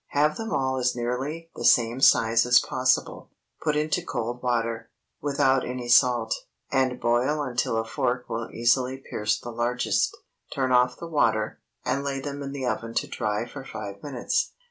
Have them all as nearly the same size as possible; put into cold water, without any salt, and boil until a fork will easily pierce the largest. Turn off the water, and lay them in the oven to dry for five minutes.